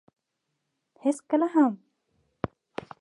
هېڅکله هم.